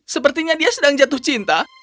sepertinya dia sedang jatuh cinta